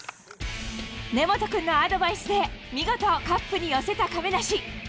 根本君のアドバイスで見事、カップに寄せた亀梨。